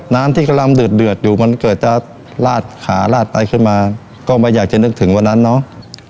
น้ำที่กำลังเดือดอยู่มันเกิดจะลาดขาลาดไปขึ้นมาก็ไม่อยากจะนึกถึงวันนั้นเนาะ